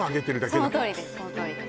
そのとおりです